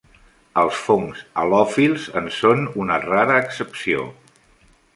Els fongs halòfíls en són una rara excepció.